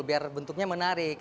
biar bentuknya menarik